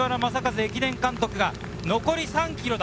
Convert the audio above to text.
駅伝監督が残り３ｋｍだ！